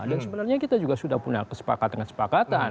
dan sebenarnya kita juga sudah punya kesepakatan kesepakatan